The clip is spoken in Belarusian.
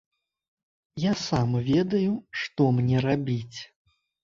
Я сам ведаю, што мне рабіць.